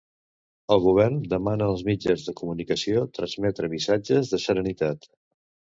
El Govern demana als mitjans de comunicació transmetre missatges de serenitat.